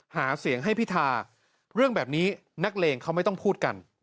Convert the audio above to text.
หาเสียงให้พิธาเรื่องแบบนี้นักเลงเขาไม่ต้องพูดกัน